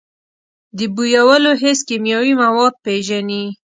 د بویولو حس کیمیاوي مواد پېژني.